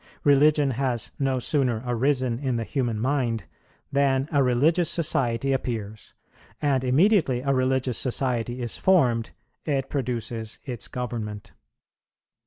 .. Religion has no sooner arisen in the human mind than a religious society appears; and immediately a religious society is formed, it produces its government."